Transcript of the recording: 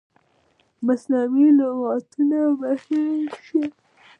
مصنوعي لغتونه به هیر شي.